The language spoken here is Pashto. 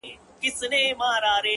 • ه چیري یې د کومو غرونو باد دي وهي،